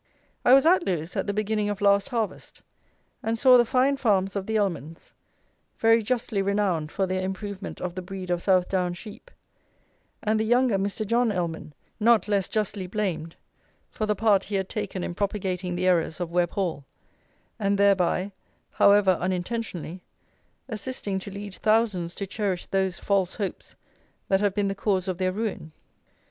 I was at Lewes at the beginning of last harvest, and saw the fine farms of the Ellmans, very justly renowned for their improvement of the breed of South Down sheep, and the younger Mr. John Ellman not less justly blamed for the part he had taken in propagating the errors of Webb Hall, and thereby, however unintentionally, assisting to lead thousands to cherish those false hopes that have been the cause of their ruin.